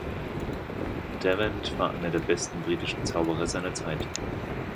Devant war einer der besten britischen Zauberer seiner Zeit.